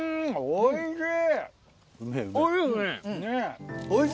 おいしい。